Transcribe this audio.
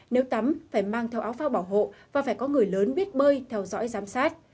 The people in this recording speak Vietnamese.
nếu tắm phải mang theo áo phao bảo hộ và phải có người lớn biết bơi theo dõi giám sát